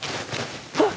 あっ！